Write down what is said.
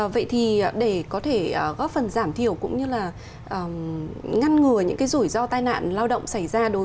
vậy thì để có thể góp phần giảm thiểu cũng như là ngăn ngừa những cái rủi ro tai nạn lao động xảy ra